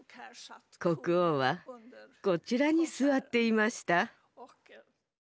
国王はこちらに座っていました。